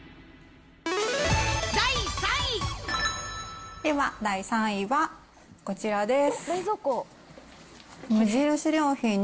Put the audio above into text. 第３位。では第３位は、こちらです。